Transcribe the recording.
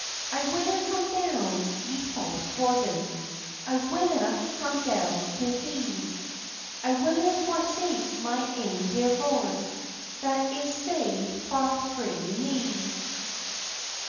"I winna come down, ye false Gordon, I winna come down to thee; I winna forsake my ain dear lord, That is sae far frae me."